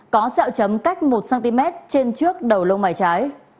có xeo chấm cách một cm trên trước đầu lông mày trái